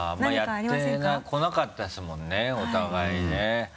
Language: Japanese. あんまりやってこなかったですもんねお互いにね。